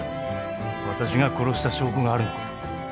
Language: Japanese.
私が殺した証拠があるのか？